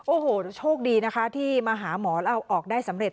โอ้โหโชคดีนะคะที่มาหาหมอแล้วออกได้สำเร็จ